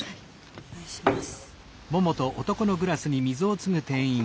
お願いします。